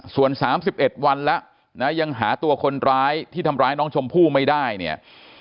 ส่วน๓๑วันแล้วนะยังหาตัวคนร้ายที่ทำร้ายน้องชมพู่ไม่ได้เนี่ย